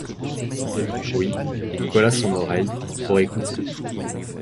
Puis, il colla son oreille, pour écouter.